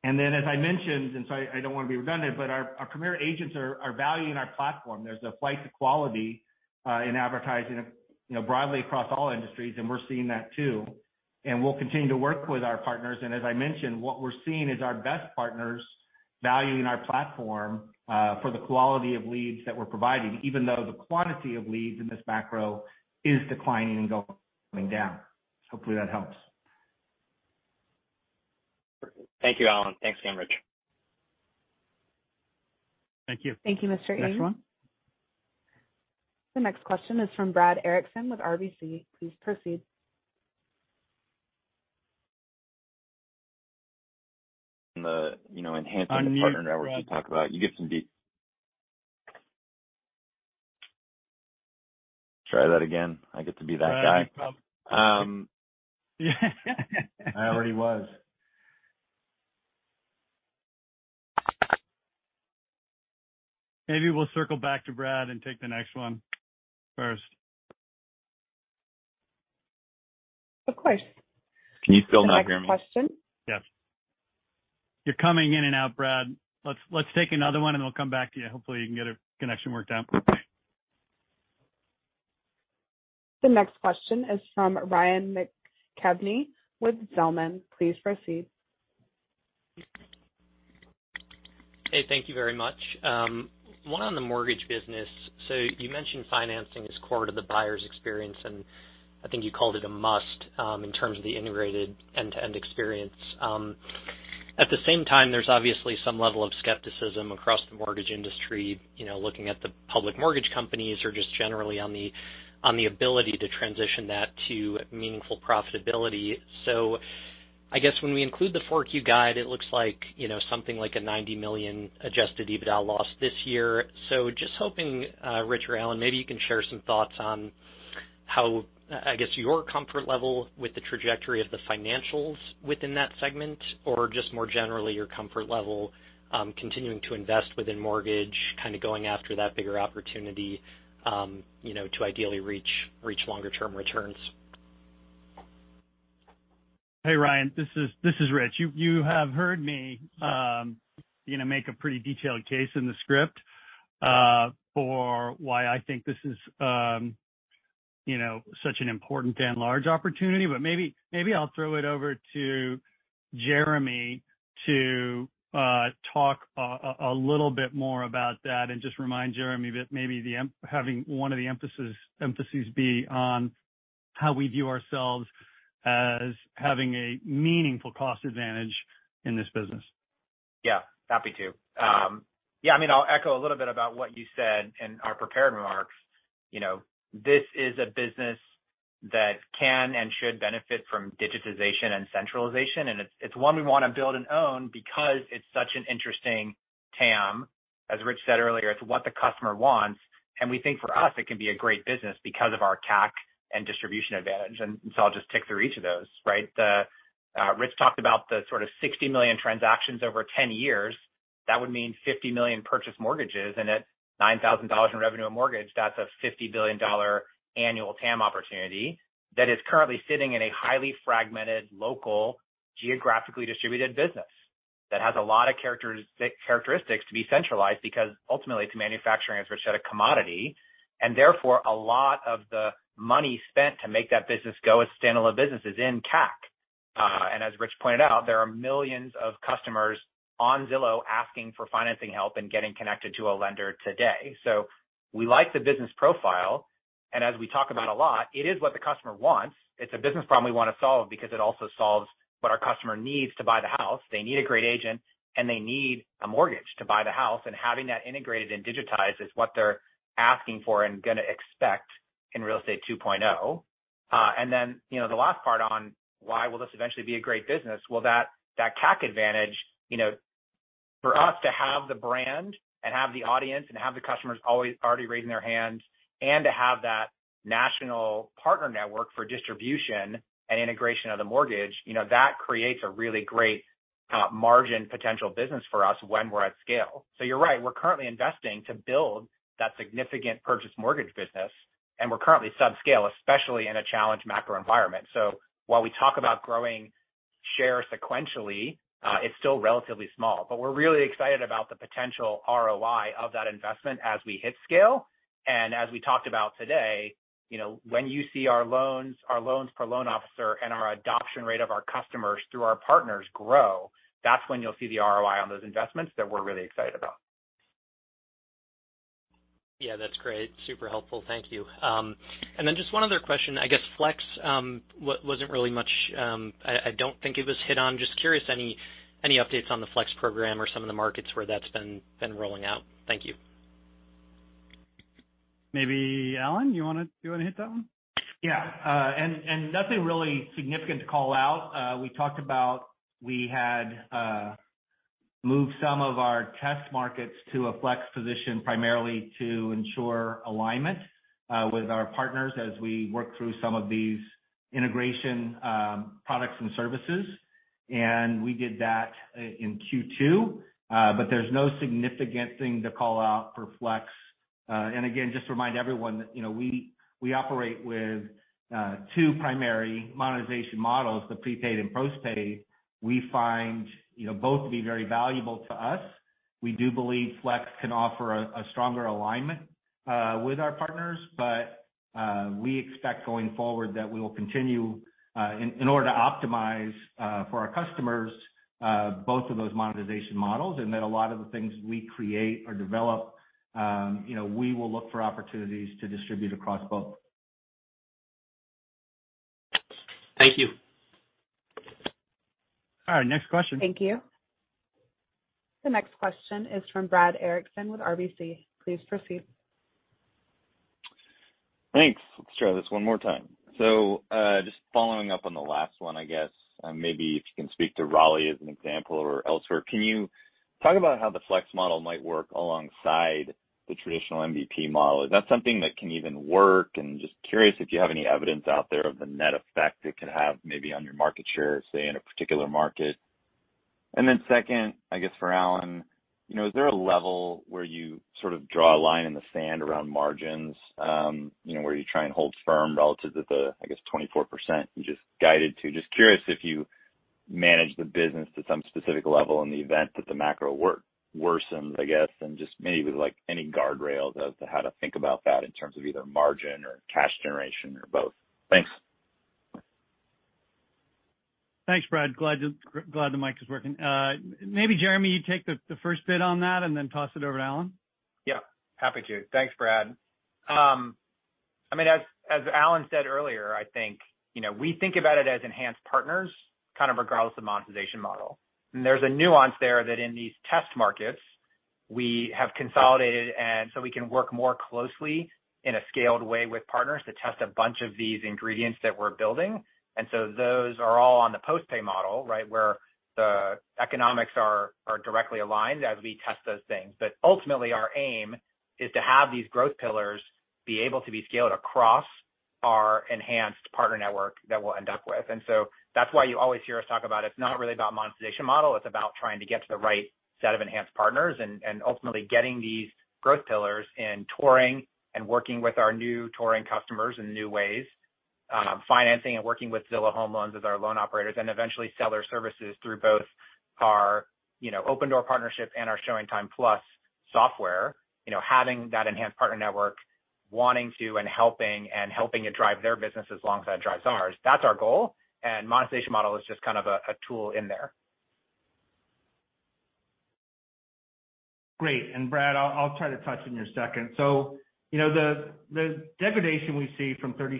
Speaker 4: As I mentioned, and so I don't want to be redundant, but our Premier Agents are valuing our platform. There's a flight to quality in advertising, you know, broadly across all industries, and we're seeing that too, and we'll continue to work with our partners. As I mentioned, what we're seeing is our best partners valuing our platform for the quality of leads that we're providing, even though the quantity of leads in this macro is declining and going down. Hopefully that helps.
Speaker 7: Thank you, Allen. Thanks very much, Rich.
Speaker 3: Thank you.
Speaker 1: Thank you, Mr. Ng.
Speaker 3: Next one.
Speaker 1: The next question is from Brad Erickson with RBC. Please proceed.
Speaker 8: You know, enhancing- Unmute, Brad. ...the partner networks you talk about, you get some... Try that again. I get to be that guy.
Speaker 3: No, no problem.
Speaker 4: I already was.
Speaker 3: Maybe we'll circle back to Brad and take the next one first.
Speaker 1: Of course.
Speaker 8: Can you still not hear me?
Speaker 1: The next question.
Speaker 3: Yes. You're coming in and out, Brad. Let's take another one, and we'll come back to you. Hopefully, you can get a connection worked out.
Speaker 1: The next question is from Ryan McKeveny with Zelman. Please proceed.
Speaker 9: Hey, thank you very much. One on the mortgage business. You mentioned financing is core to the buyer's experience, and I think you called it a must, in terms of the integrated end-to-end experience. At the same time, there's obviously some level of skepticism across the mortgage industry, you know, looking at the public mortgage companies or just generally on the, on the ability to transition that to meaningful profitability. I guess when we include the 4Q guide, it looks like, you know, something like a $90 million adjusted EBITDA loss this year. Just hoping, Rich or Allen, maybe you can share some thoughts on how, I guess, your comfort level with the trajectory of the financials within that segment or just more generally your comfort level, continuing to invest within mortgage, kind of going after that bigger opportunity, you know, to ideally reach longer term returns.
Speaker 3: Hey, Ryan. This is Rich. You have heard me, you know, make a pretty detailed case in the script for why I think this is, you know, such an important and large opportunity. But maybe I'll throw it over to Jeremy to talk a little bit more about that. Just remind Jeremy that maybe having one of the emphases be on how we view ourselves as having a meaningful cost advantage in this business.
Speaker 6: Yeah, happy to. Yeah, I mean, I'll echo a little bit about what you said in our prepared remarks. You know, this is a business that can and should benefit from digitization and centralization. It's one we wanna build and own because it's such an interesting TAM. As Rich said earlier, it's what the customer wants, and we think for us, it can be a great business because of our CAC and distribution advantage. I'll just tick through each of those, right? Rich talked about the sort of 60 million transactions over 10 years. That would mean 50 million purchase mortgages, and at $9,000 in revenue a mortgage, that's a $50 billion annual TAM opportunity that is currently sitting in a highly fragmented, local, geographically distributed business that has a lot of characteristics to be centralized because ultimately it's manufacturing as versus a commodity. Therefore, a lot of the money spent to make that business go as standalone business is in CAC. And as Rich pointed out, there are millions of customers on Zillow asking for financing help and getting connected to a lender today. We like the business profile, and as we talk about a lot, it is what the customer wants. It's a business problem we wanna solve because it also solves what our customer needs to buy the house. They need a great agent, and they need a mortgage to buy the house. Having that integrated and digitized is what they're asking for and gonna expect in Real Estate 2.0. You know, the last part on why will this eventually be a great business? Well, that CAC advantage, you know, for us to have the brand and have the audience and have the customers always already raising their hands and to have that national partner network for distribution and integration of the mortgage, you know, that creates a really great margin potential business for us when we're at scale. You're right, we're currently investing to build that significant purchase mortgage business, and we're currently subscale, especially in a challenged macro environment. While we talk about growing share sequentially, it's still relatively small. We're really excited about the potential ROI of that investment as we hit scale-... As we talked about today, you know, when you see our loans, our loans per loan officer and our adoption rate of our customers through our partners grow, that's when you'll see the ROI on those investments that we're really excited about.
Speaker 9: Yeah, that's great. Super helpful. Thank you. Just one other question. I guess Flex wasn't really much. I don't think it was hit on. Just curious, any updates on the Flex program or some of the markets where that's been rolling out? Thank you.
Speaker 3: Maybe Allen, you wanna hit that one?
Speaker 4: Yeah. Nothing really significant to call out. We talked about, we had moved some of our test markets to a Flex position primarily to ensure alignment with our partners as we work through some of these integration products and services. We did that in Q2. There's no significant thing to call out for Flex. Again, just to remind everyone that, you know, we operate with two primary monetization models, the prepaid and postpaid. We find, you know, both to be very valuable to us. We do believe Flex can offer a stronger alignment with our partners, but we expect going forward that we will continue in order to optimize for our customers both of those monetization models, and that a lot of the things we create or develop, you know, we will look for opportunities to distribute across both.
Speaker 9: Thank you.
Speaker 3: All right, next question.
Speaker 1: Thank you. The next question is from Brad Erickson with RBC. Please proceed.
Speaker 8: Thanks. Let's try this one more time. Just following up on the last one, I guess, maybe if you can speak to Raleigh as an example or elsewhere. Can you talk about how the Flex model might work alongside the traditional MPP model? Is that something that can even work? Just curious if you have any evidence out there of the net effect it could have maybe on your market share, say, in a particular market. Second, I guess for Allen, you know, is there a level where you sort of draw a line in the sand around margins, you know, where you try and hold firm relative to the, I guess, 24% you just guided to? Just curious if you manage the business to some specific level in the event that the macro worsens, I guess. Just maybe with like any guardrails as to how to think about that in terms of either margin or cash generation or both. Thanks.
Speaker 3: Thanks, Brad. Glad the mic is working. Maybe Jeremy, you take the first bit on that and then toss it over to Allen.
Speaker 6: Yeah, happy to. Thanks, Brad. I mean, as Allen said earlier, I think, you know, we think about it as enhanced partners, kind of regardless of monetization model. There's a nuance there that in these test markets we have consolidated and so we can work more closely in a scaled way with partners to test a bunch of these ingredients that we're building. Those are all on the postpaid model, right, where the economics are directly aligned as we test those things. Ultimately, our aim is to have these growth pillars be able to be scaled across our enhanced partner network that we'll end up with. That's why you always hear us talk about it's not really about monetization model, it's about trying to get to the right set of enhanced partners and ultimately getting these growth pillars and touring and working with our new touring customers in new ways, financing and working with Zillow Home Loans as our loan operators, and eventually seller services through both our Opendoor partnership and our ShowingTime+ software. You know, having that enhanced partner network, wanting to and helping to drive their business as long as that drives ours. That's our goal. Monetization model is just kind of a tool in there.
Speaker 4: Great. Brad, I'll try to touch on yours second. You know, the degradation we see from 36%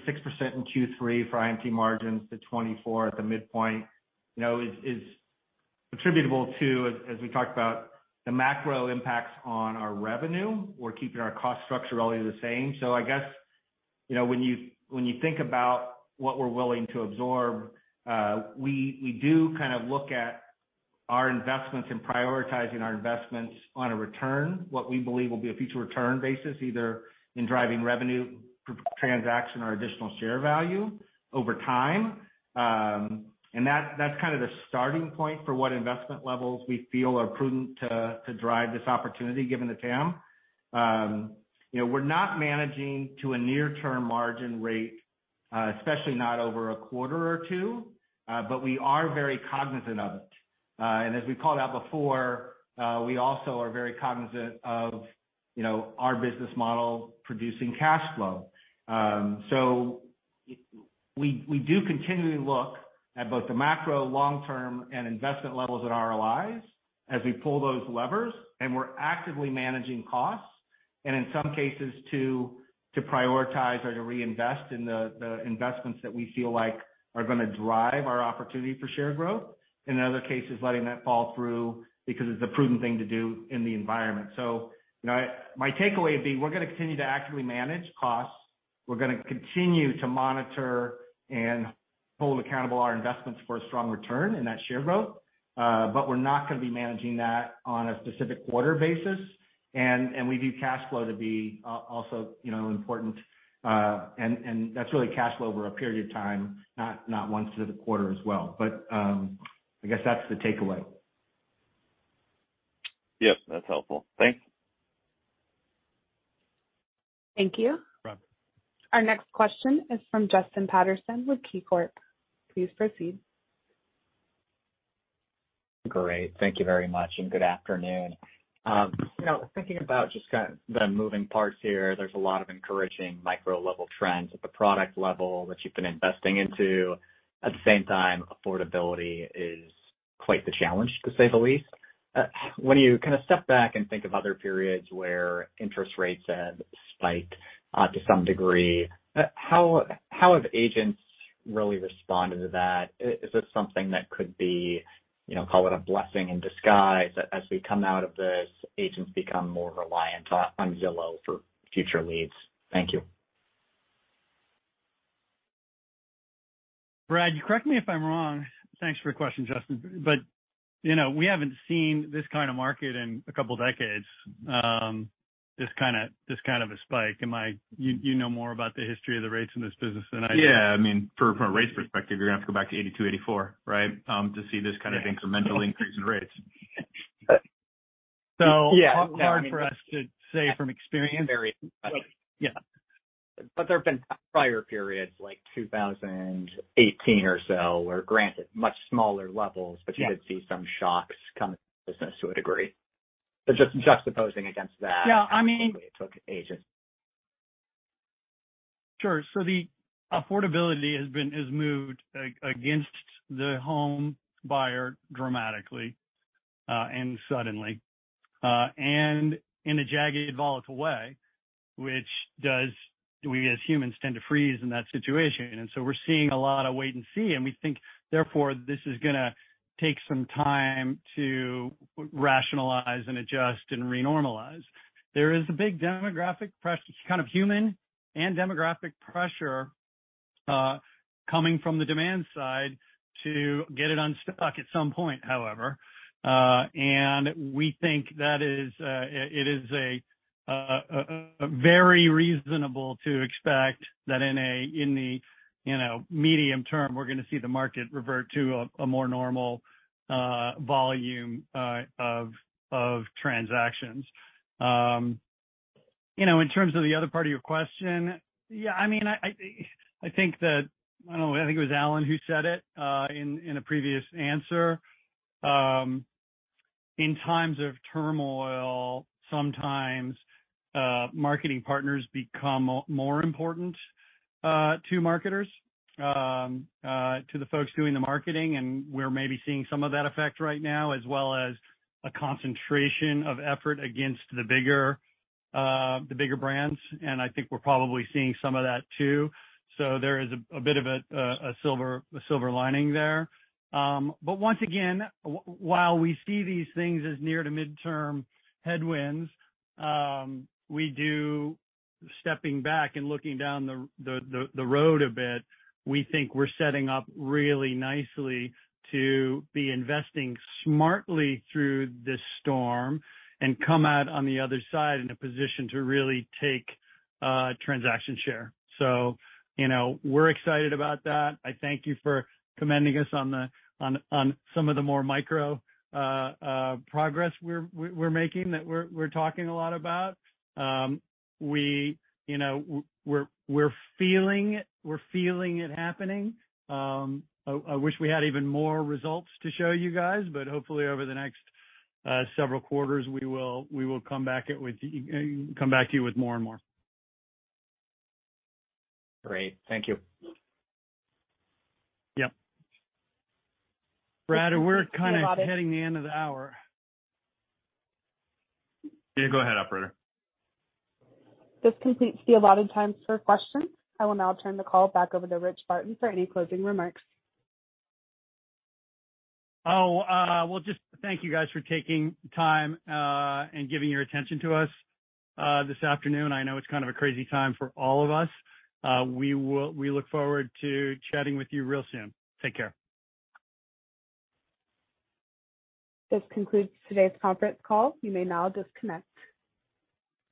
Speaker 4: in Q3 for IMT margins to 24% at the midpoint, you know, is attributable to, as we talked about, the macro impacts on our revenue. We're keeping our cost structure really the same. I guess, you know, when you think about what we're willing to absorb, we do kind of look at our investments and prioritizing our investments on a return, what we believe will be a future return basis, either in driving revenue per transaction or additional share value over time. That's kind of the starting point for what investment levels we feel are prudent to drive this opportunity given the TAM. You know, we're not managing to a near-term margin rate, especially not over a quarter or two. We are very cognizant of it. As we called out before, we also are very cognizant of, you know, our business model producing cash flow. We do continually look at both the macro long-term and investment levels at ROIs as we pull those levers. We're actively managing costs, and in some cases to prioritize or to reinvest in the investments that we feel like are gonna drive our opportunity for share growth. In other cases, letting that fall through because it's a prudent thing to do in the environment. You know, my takeaway would be, we're gonna continue to actively manage costs. We're gonna continue to monitor and hold accountable our investments for a strong return in that share growth. We're not gonna be managing that on a specific quarter basis. We view cash flow to be also, you know, important. That's really cash flow over a period of time, not quarter-to-quarter as well. I guess that's the takeaway.
Speaker 8: Yes, that's helpful. Thanks.
Speaker 1: Thank you.
Speaker 8: No problem.
Speaker 1: Our next question is from Justin Patterson with KeyCorp. Please proceed.
Speaker 10: Great. Thank you very much, and good afternoon. You know, thinking about just kind of the moving parts here, there's a lot of encouraging micro-level trends at the product level that you've been investing into. At the same time, affordability is quite the challenge, to say the least. When you kind of step back and think of other periods where interest rates have spiked, to some degree, how have agents really responded to that? Is this something that could be, you know, call it a blessing in disguise as we come out of this, agents become more reliant on Zillow for future leads? Thank you.
Speaker 3: Brad, you correct me if I'm wrong. Thanks for your question, Justin. You know, we haven't seen this kind of market in a couple decades, this kind of a spike. You know more about the history of the rates in this business than I do.
Speaker 2: Yeah. I mean, from a rate perspective, you're gonna have to go back to 1982, 1984, right? to see this kind of incremental increase in rates.
Speaker 3: Hard for us to say from experience.
Speaker 10: Yeah. There have been prior periods, like 2018 or so, where granted much smaller levels.
Speaker 3: Yeah.
Speaker 10: You did see some shocks come to the business to a degree. Just juxtaposing against that-
Speaker 3: Yeah, I mean.
Speaker 10: how it took agents.
Speaker 3: Sure. So the affordability has moved against the home buyer dramatically, and suddenly, and in a jagged, volatile way, which we as humans tend to freeze in that situation. We're seeing a lot of wait and see, and we think therefore, this is gonna take some time to rationalize and adjust and renormalize. There is a big demographic pressure, kind of human and demographic pressure, coming from the demand side to get it unstuck at some point, however. We think that it is a very reasonable to expect that in the, you know, medium term, we're gonna see the market revert to a more normal volume of transactions. You know, in terms of the other part of your question, yeah, I mean, I think that. I don't know, I think it was Allen who said it in a previous answer. In times of turmoil, sometimes marketing partners become more important to marketers to the folks doing the marketing, and we're maybe seeing some of that effect right now, as well as a concentration of effort against the bigger brands. I think we're probably seeing some of that too. There is a bit of a silver lining there. Once again, while we see these things as near to midterm headwinds, we do, stepping back and looking down the road a bit, we think we're setting up really nicely to be investing smartly through this storm and come out on the other side in a position to really take transaction share. You know, we're excited about that. I thank you for commending us on some of the more micro progress we're making that we're talking a lot about. We're feeling it. We're feeling it happening. I wish we had even more results to show you guys, but hopefully over the next several quarters, we will come back to you with more and more.
Speaker 10: Great. Thank you.
Speaker 3: Yep. Brad, we're kind of hitting the end of the hour.
Speaker 2: Yeah, go ahead, operator.
Speaker 1: This completes the allotted time for questions. I will now turn the call back over to Rich Barton for any closing remarks.
Speaker 3: Well, just thank you guys for taking time and giving your attention to us this afternoon. I know it's kind of a crazy time for all of us. We look forward to chatting with you real soon. Take care.
Speaker 1: This concludes today's conference call. You may now disconnect.